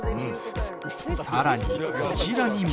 さらに、こちらにも。